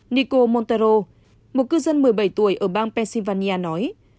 nico montero một cư dân một mươi bảy tuổi ở bang pennsylvania nói